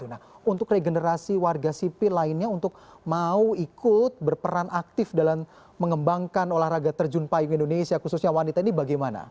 nah untuk regenerasi warga sipil lainnya untuk mau ikut berperan aktif dalam mengembangkan olahraga terjun payung indonesia khususnya wanita ini bagaimana